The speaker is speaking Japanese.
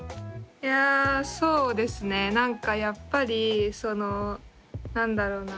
いやそうですねなんかやっぱりなんだろうな